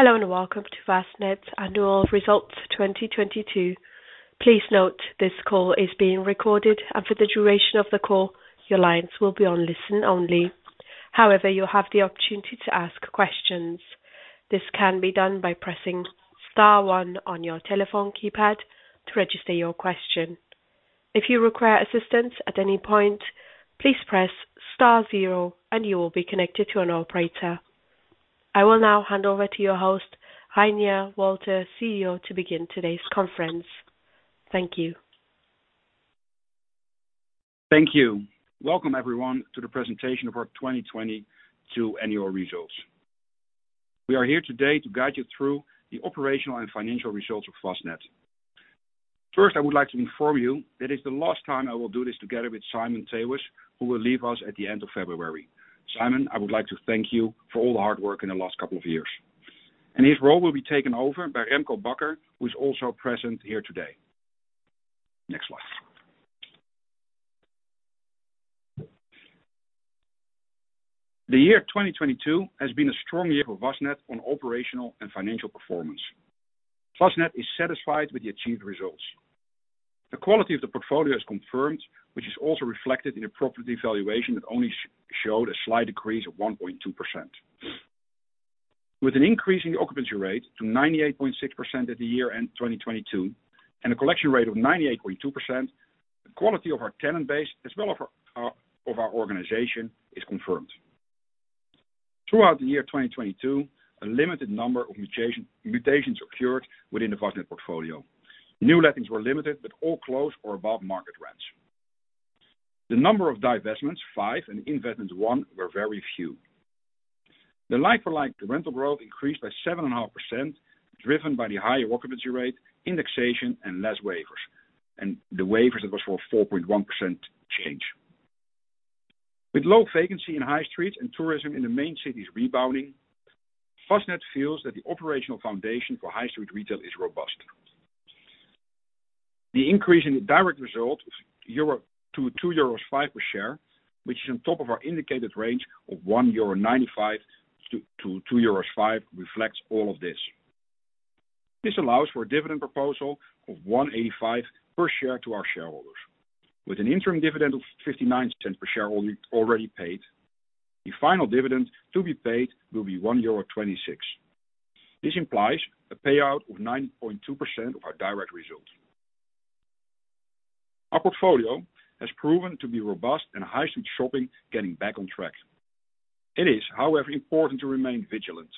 Hello, welcome to Vastned's Annual Results 2022. Please note this call is being recorded and for the duration of the call, your lines will be on listen only. You'll have the opportunity to ask questions. This can be done by pressing star one on your telephone keypad to register your question. If you require assistance at any point, please press star zero and you will be connected to an operator. I will now hand over to your host, Reinier Walta, CEO, to begin today's conference. Thank you. Thank you. Welcome everyone to the presentation of our 2022 Annual Results. We are here today to guide you through the operational and financial results of Vastned. First, I would like to inform you that it's the last time I will do this together with Simon Theeuwes, who will leave us at the end of February. Simon, I would like to thank you for all the hard work in the last couple of years. His role will be taken over by Remko Bakker, who is also present here today. Next slide. The year 2022 has been a strong year for Vastned on operational and financial performance. Vastned is satisfied with the achieved results. The quality of the portfolio is confirmed, which is also reflected in the property valuation that only showed a slight decrease of 1.2%. With an increase in the occupancy rate to 98.6% at the year end 2022, and a collection rate of 98.2%, the quality of our tenant base as well of our organization is confirmed. Throughout the year 2022, a limited number of mutations occurred within the Vastned portfolio. New lettings were limited, but all close or above market rents. The number of divestments, five and investments, one, were very few. The like-for-like rental growth increased by 7.5%, driven by the higher occupancy rate, indexation, and less waivers. The waivers, it was for 4.1% change. With low vacancy in high streets and tourism in the main cities rebounding, Vastned feels that the operational foundation for high street retail is robust. The increase in the direct result of 2.05 euros per share, which is on top of our indicated range of 1.95-2.05 euro, reflects all of this. This allows for a dividend proposal of 1.85 per share to our shareholders. With an interim dividend of 0.59 per share already paid, the final dividend to be paid will be 1.26 euro. This implies a payout of 9.2% of our direct results. Our portfolio has proven to be robust and high street shopping getting back on track. It is, however, important to remain vigilant.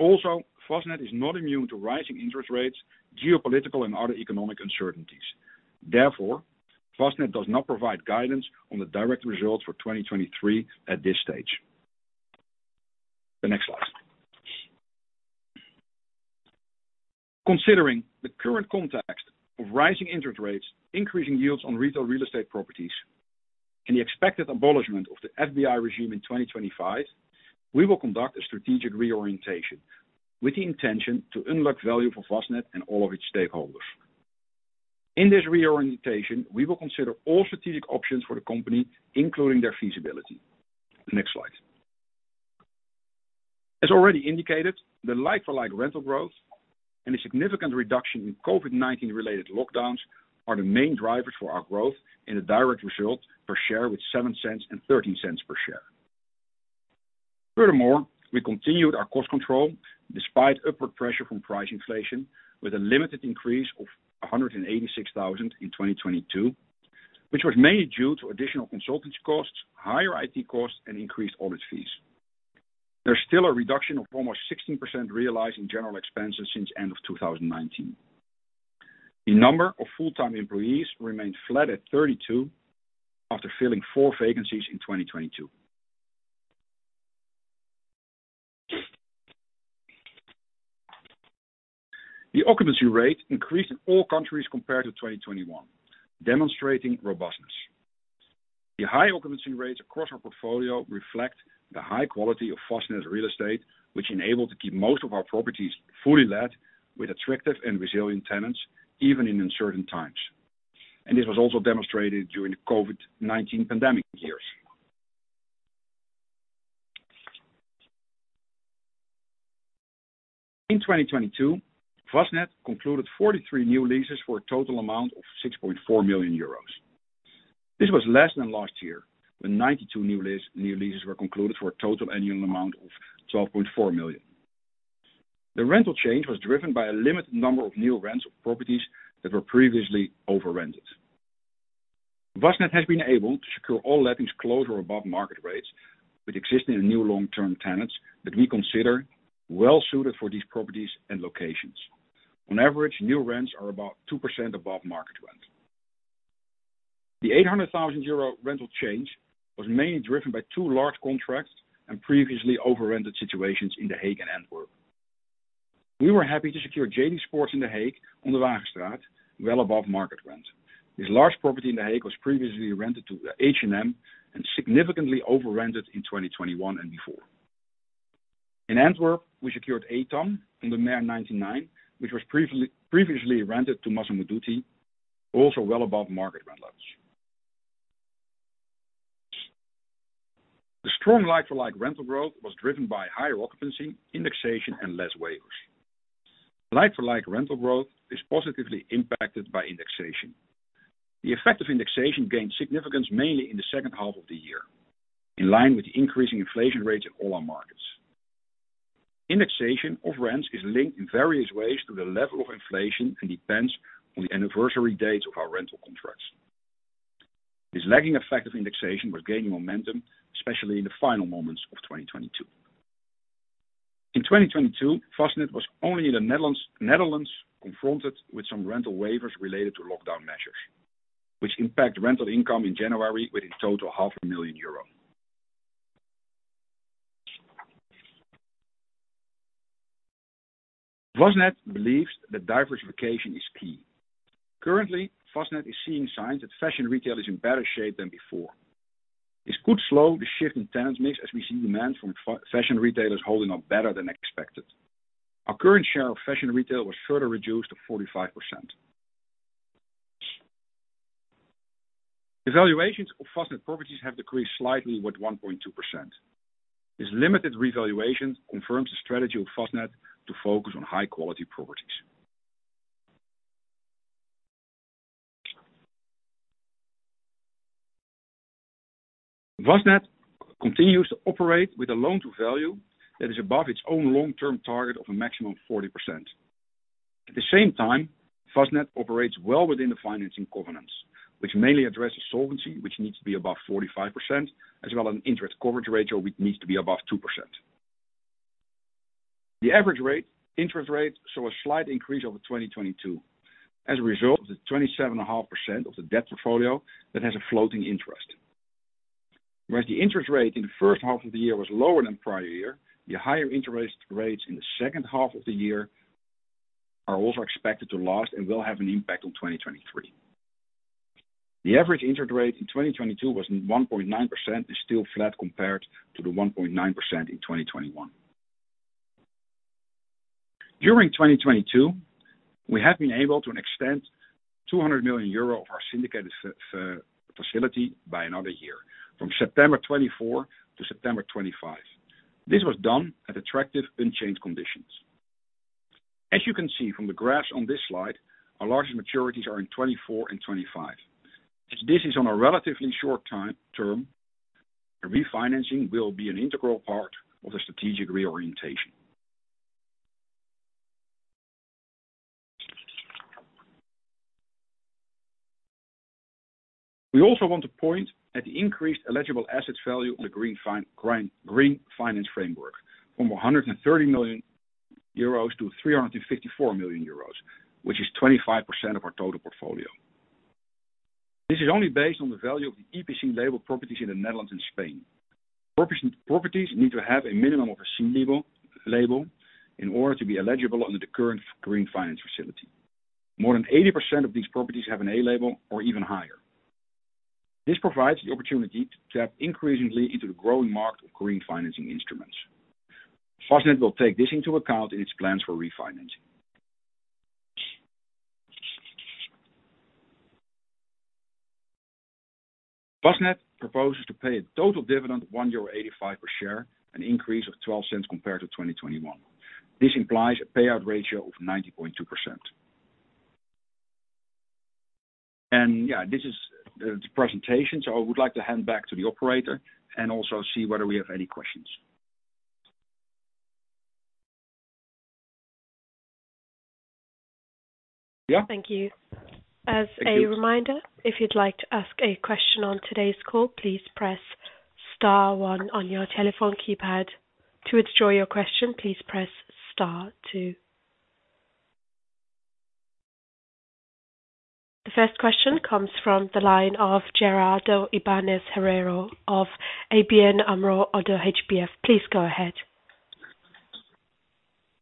Vastned is not immune to rising interest rates, geopolitical and other economic uncertainties. Vastned does not provide guidance on the direct results for 2023 at this stage. The next slide. Considering the current context of rising interest rates, increasing yields on retail real estate properties, and the expected abolishment of the FBI regime in 2025, we will conduct a strategic reorientation with the intention to unlock value for Vastned and all of its stakeholders. In this reorientation, we will consider all strategic options for the company, including their feasibility. As already indicated, the like-for-like rental growth and a significant reduction in COVID-19 related lockdowns are the main drivers for our growth and the direct result per share with 0.07 and 0.13 per share. We continued our cost control despite upward pressure from price inflation with a limited increase of 186,000 in 2022, which was mainly due to additional consultants costs, higher IT costs, and increased audit fees. There's still a reduction of almost 16% realized in general expenses since end of 2019. The number of full-time employees remained flat at 32 after filling four vacancies in 2022. The occupancy rate increased in all countries compared to 2021, demonstrating robustness. The high occupancy rates across our portfolio reflect the high quality of Vastned's real estate, which enabled to keep most of our properties fully let with attractive and resilient tenants, even in uncertain times. This was also demonstrated during the COVID-19 pandemic years. In 2022, Vastned concluded 43 new leases for a total amount of 6.4 million euros. This was less than last year, when 92 new leases were concluded for a total annual amount of 12.4 million. The rental change was driven by a limited number of new rents of properties that were previously over-rented. Vastned has been able to secure all lettings close or above market rates with existing and new long-term tenants that we consider well suited for these properties and locations. On average, new rents are about 2% above market rent. The 800,000 euro rental change was mainly driven by two large contracts and previously over-rented situations in The Hague and Antwerp. We were happy to secure JD Sports in The Hague on the Wagenstraat, well above market rent. This large property in The Hague was previously rented to H&M and significantly over-rented in 2021 and before. In Antwerp, we secured Aton on the Meir 99, which was previously rented to Massimo Dutti, also well above market rent levels. The strong like-for-like rental growth was driven by higher occupancy, indexation, and less waivers. Like-for-like rental growth is positively impacted by indexation. The effect of indexation gained significance mainly in the second half of the year, in line with the increasing inflation rates in all our markets. Indexation of rents is linked in various ways to the level of inflation and depends on the anniversary dates of our rental contracts. This lagging effect of indexation was gaining momentum, especially in the final moments of 2022. In 2022, Vastned was only in the Netherlands confronted with some rental waivers related to lockdown measures, which impact rental income in January with a total of half a million euro. Vastned believes that diversification is key. Currently, Vastned is seeing signs that fashion retail is in better shape than before. This could slow the shift in tenant mix as we see demand from fashion retailers holding up better than expected. Our current share of fashion retail was further reduced to 45%. Evaluations of Vastned properties have decreased slightly with 1.2%. This limited revaluation confirms the strategy of Vastned to focus on high quality properties. Vastned continues to operate with a loan-to-value that is above its own long-term target of a maximum of 40%. At the same time, Vastned operates well within the financing governance, which mainly addresses solvency, which needs to be above 45%, as well as an interest coverage ratio which needs to be above 2%. The average rate, interest rate, saw a slight increase over 2022 as a result of the 27.5% of the debt portfolio that has a floating interest. The interest rate in the first half of the year was lower than prior year, the higher interest rates in the second half of the year are also expected to last and will have an impact on 2023. The average interest rate in 2022 was 1.9%, still flat compared to the 1.9% in 2021. During 2022, we have been able to extend 200 million euro of our syndicated facility by another year, from September 2024 to September 2025. This was done at attractive unchanged conditions. As you can see from the graphs on this slide, our largest maturities are in 2024 and 2025. This is on a relatively short time-term, the refinancing will be an integral part of the strategic reorientation. We also want to point at the increased eligible assets value on the green finance framework from 130 million euros to 354 million euros, which is 25% of our total portfolio. This is only based on the value of the EPC label properties in the Netherlands and Spain. Properties need to have a minimum of a C label in order to be eligible under the current green finance facility. More than 80% of these properties have an A label or even higher. This provides the opportunity to tap increasingly into the growing market of green financing instruments. Vastned will take this into account in its plans for refinancing. Vastned proposes to pay a total dividend of 1.85 per share, an increase of 0.12 compared to 2021. This implies a payout ratio of 90.2%. Yeah, this is the presentation. I would like to hand back to the operator and also see whether we have any questions. Yeah. Thank you. Thank you. As a reminder, if you'd like to ask a question on today's call, please press star one on your telephone keypad. To withdraw your question, please press star two. The first question comes from the line of Gerardo Ibáñez Herrero of ABN AMRO/ODDO BHF. Please go ahead.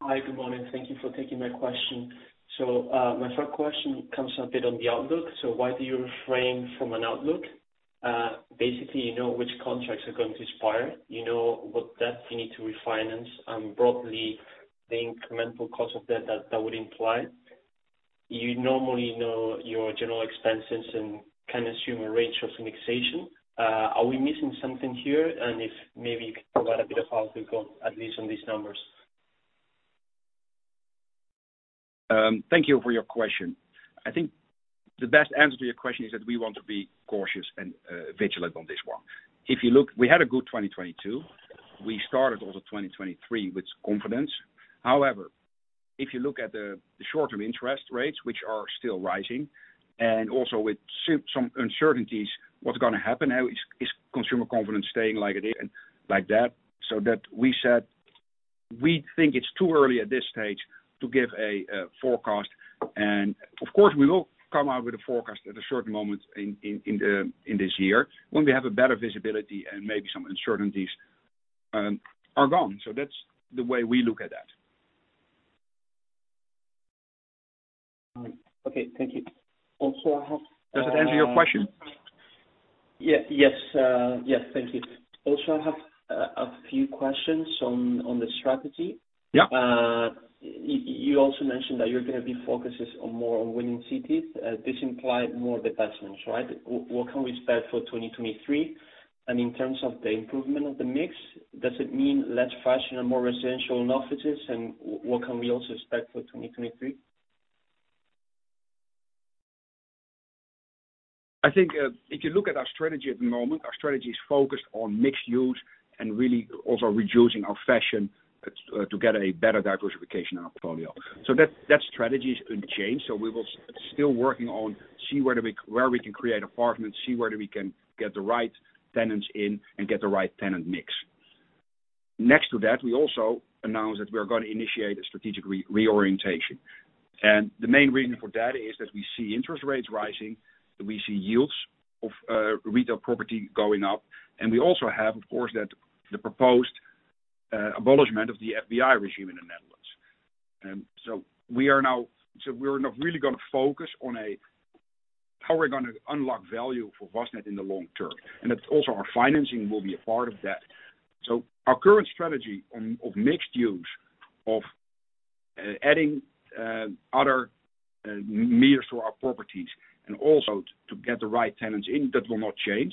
Hi. Good morning. Thank you for taking my question. My first question comes a bit on the outlook. Why do you refrain from an outlook? Basically, which contracts are going to expire, what debt you need to refinance, and broadly, the incremental cost of debt that would imply. You normally know your general expenses and can assume a range of indexation. Are we missing something here? If maybe you can provide a bit of how to go, at least on these numbers. Thank you for your question. I think the best answer to your question is that we want to be cautious and vigilant on this one. If you look, we had a good 2022. We started also 2023 with confidence. However, if you look at the short-term interest rates, which are still rising, and also with some uncertainties, what's gonna happen? How is consumer confidence staying like it is, like that? That we said we think it's too early at this stage to give a forecast. Of course, we will come out with a forecast at a certain moment in this year when we have a better visibility and maybe some uncertainties are gone. That's the way we look at that. Okay. Thank you. Also, I have. Does it answer your question? Yes. Thank you. Also, I have a few questions on the strategy? Yeah. You also mentioned that you're gonna be focused on more on winning cities. This implies more divestments, right? What can we expect for 2023? In terms of the improvement of the mix, does it mean less fashion and more residential and offices? What can we also expect for 2023? I think, if you look at our strategy at the moment, our strategy is focused on mixed use and really also reducing our fashion, to get a better diversification in our portfolio. That strategy isn't changed. Still working on see where we can create apartments, see where we can get the right tenants in and get the right tenant mix. Next to that, we also announced that we are gonna initiate a strategic reorientation. The main reason for that is that we see interest rates rising, we see yields of retail property going up. We also have, of course, that the proposed abolishment of the FBI regime in the Netherlands. We're now really gonna focus on how we're gonna unlock value for Vastned in the long term. Also our financing will be a part of that. Our current strategy of mixed use, of adding other meters to our properties and also to get the right tenants in, that will not change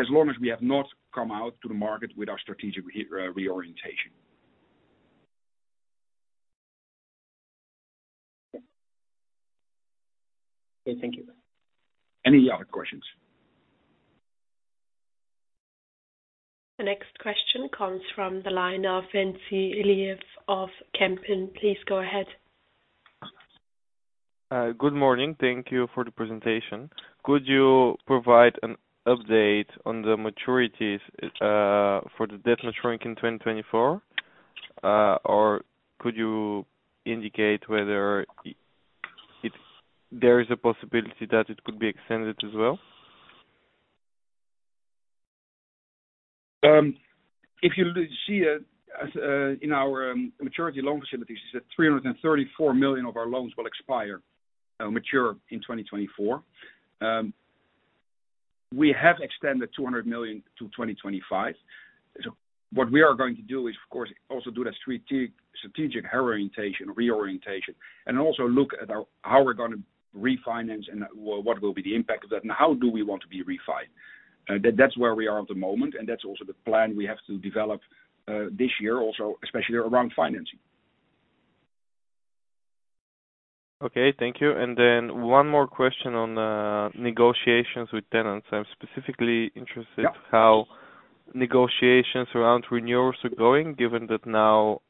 as long as we have not come out to the market with our strategic reorientation. Okay. Thank you. Any other questions? The next question comes from the line of Ventsi Iliev of Kempen. Please go ahead. Good morning. Thank you for the presentation. Could you provide an update on the maturities for the debt maturing in 2024? Or could you indicate whether if there is a possibility that it could be extended as well? If you see as in our maturity loan facilities is that 334 million of our loans will expire, mature in 2024. We have extended 200 million to 2025. What we are going to do is, of course, also do the strategic reorientation, and also look at our—how we're gonna refinance and what will be the impact of that and how do we want to be refinanced. That's where we are at the moment, and that's also the plan we have to develop this year also, especially around financing. Okay, thank you. One more question on negotiations with tenants. Yeah. How negotiations around renewals are going, given that now,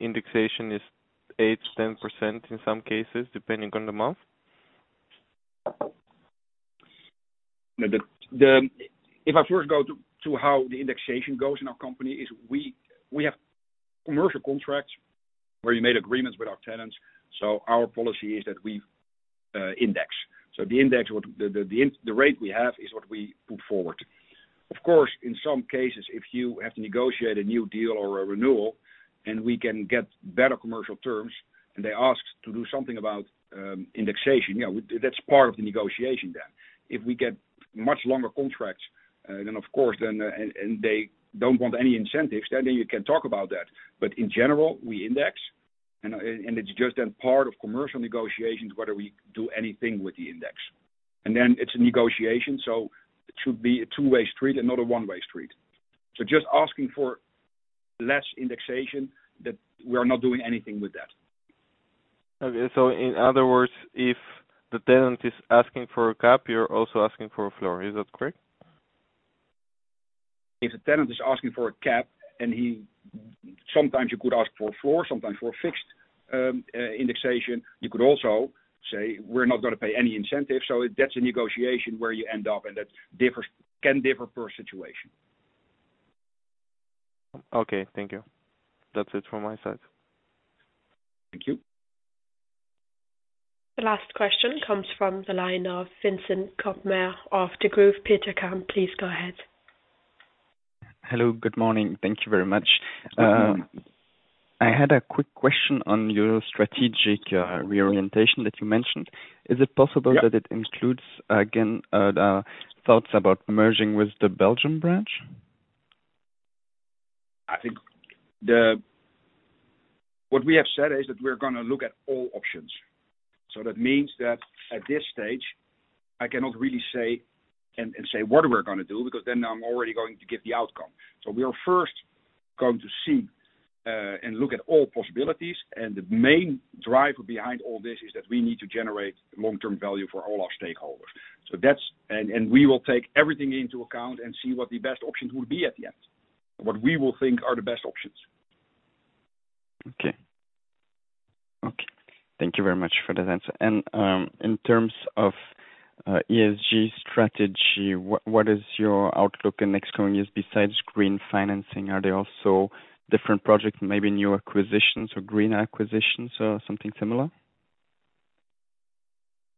indexation is 8%-10% in some cases, depending on the month. If I first go to how the indexation goes in our company is we have commercial contracts where we made agreements with our tenants, Our policy is that we index. The index the rate we have is what we put forward. Of course, in some cases, if you have to negotiate a new deal or a renewal and we can get better commercial terms and they ask to do something about indexation, that's part of the negotiation then. If we get much longer contracts, then of course, then, and they don't want any incentives, then you can talk about that. In general, we index and it's just then part of commercial negotiations, whether we do anything with the index. It's a negotiation, so it should be a two-way street and not a one-way street. Just asking for less indexation, that we are not doing anything with that. Okay. In other words, if the tenant is asking for a cap, you're also asking for a floor. Is that correct? If the tenant is asking for a cap. Sometimes you could ask for a floor, sometimes for a fixed indexation. You could also say, "We're not gonna pay any incentives." That's a negotiation where you end up, and that differs, can differ per situation. Okay, thank you. That's it from my side. Thank you. The last question comes from the line of Vincent Koppmair of Degroof Petercam. Please go ahead. Hello, good morning. Thank you very much. Good morning. I had a quick question on your strategic reorientation that you mentioned. Is it possible that it includes, again, thoughts about merging with the Belgium branch? I think what we have said is that we're going to look at all options. That means that at this stage, I cannot really say and say what we're going to do because then I'm already going to give the outcome. We are first going to see and look at all possibilities and the main driver behind all this is that we need to generate long-term value for all our stakeholders. And we will take everything into account and see what the best options will be at the end. What we will think are the best options. Okay. Thank you very much for the answer. In terms of ESG strategy, what is your outlook in next coming years besides green financing? Are there also different projects, maybe new acquisitions or green acquisitions or something similar?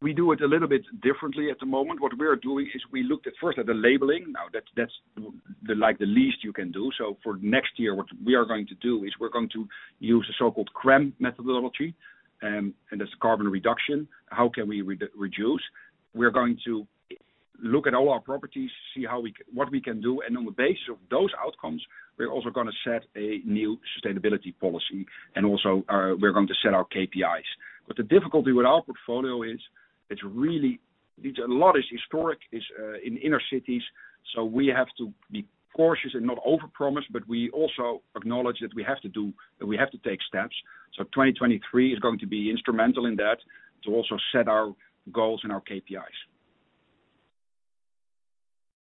We do it a little bit differently at the moment. What we are doing is we looked at first at the labeling. That's the least you can do. For next year, what we are going to do is we're going to use the so-called CRREM methodology, and that's carbon reduction. How can we reduce? We're going to look at all our properties, see what we can do, and on the basis of those outcomes, we're also gonna set a new sustainability policy, and also, we're going to set our KPIs. The difficulty with our portfolio is it's really a lot is historic, it's in inner cities, we have to be cautious and not overpromise, we also acknowledge that we have to take steps. 2023 is going to be instrumental in that to also set our goals and our KPIs.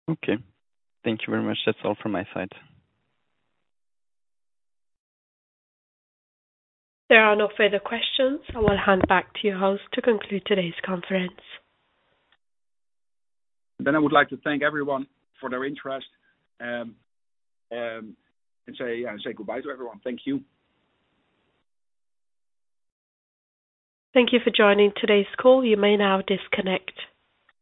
Okay. Thank you very much. That's all from my side. There are no further questions. I will hand back to you, Host, to conclude today's conference. I would like to thank everyone for their interest, say goodbye to everyone. Thank you. Thank you for joining today's call. You may now disconnect.